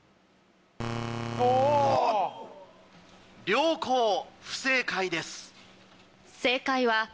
両校不正解です。